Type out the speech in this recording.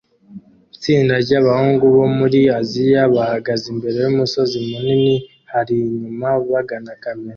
Itsinda ryabahungu bo muri Aziya bahagaze imbere yumusozi munini hari inyuma bagana kamera